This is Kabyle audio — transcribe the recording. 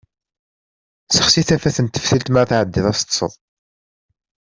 Sexsi tafat n teftilt mi ara tɛeddiḍ ad teṭṭseḍ.